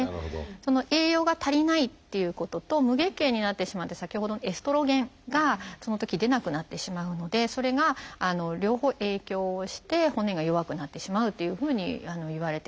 栄養が足りないっていうことと無月経になってしまって先ほどのエストロゲンがそのとき出なくなってしまうのでそれが両方影響をして骨が弱くなってしまうというふうにいわれています。